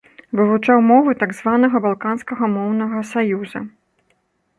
Вывучаў мовы так званага балканскага моўнага саюза.